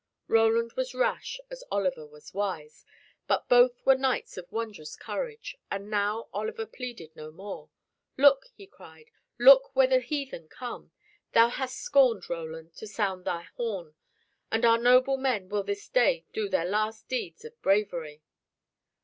Roland was rash as Oliver was wise, but both were knights of wondrous courage, and now Oliver pleaded no more. "Look," he cried, "look where the heathen come! Thou hast scorned, Roland, to sound thy horn, and our noble men will this day do their last deeds of bravery."